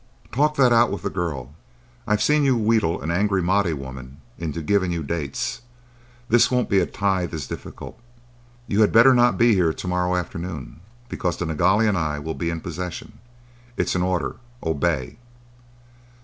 "Talk that out with the girl. I have seen you wheedle an angry Mahdieh woman into giving you dates. This won't be a tithe as difficult. You had better not be here to morrow afternoon, because the Nilghai and I will be in possession. It is an order. Obey."